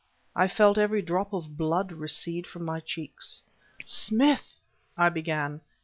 I felt every drop of blood recede from my cheeks. "Smith!" I began...